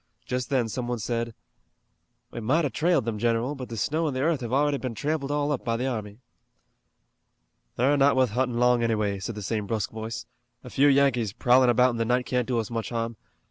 Just then some one said: "We might have trailed 'em, general, but the snow an' the earth have already been tramped all up by the army." "They're not wuth huntin' long anyway," said the same brusque voice. "A few Yankees prowlin' about in the night can't do us much harm.